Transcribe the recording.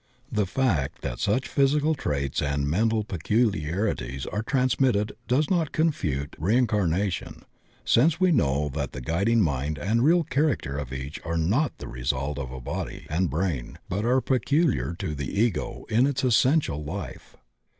The fact that such physical traits and mental peculiarities are transmitted does not confute reincar nation, since we know that the guiding mind and real character of each are not the result of a body and brain but are peculiar to the Ego in its essential life.